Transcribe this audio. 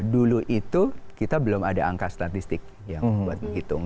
dulu itu kita belum ada angka statistik yang buat menghitung